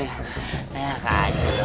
ayah kaget doain gue